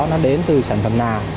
nó đến từ sản phẩm nào